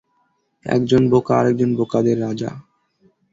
একজন বোকা, আরেকজন বোকাদের রাজা।